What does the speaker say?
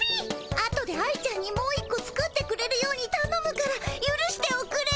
あとで愛ちゃんにもう一こ作ってくれるようにたのむからゆるしておくれ。